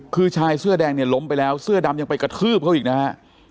คือชายเสื้อแดงเนี่ยล้มไปแล้วเสื้อดำยังไปกระทืบเขาอีกนะฮะ